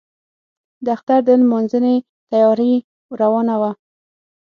د اختر د لمانځنې تیاري روانه وه.